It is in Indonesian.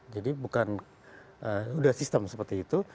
jadi bukan sudah sistem seperti itu